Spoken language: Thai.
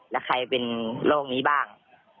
แล้วใครเป็นโรคนี้บ้าง